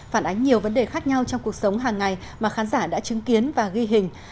phản ánh nhiều vấn đề khác nhau trong cuộc sống hàng ngày mà khán giả đã chứng kiến và ghi hình